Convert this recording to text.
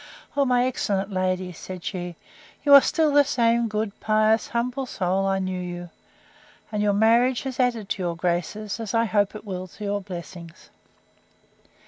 O my excellent lady! said she, you are still the same good, pious, humble soul I knew you; and your marriage has added to your graces, as I hope it will to your blessings.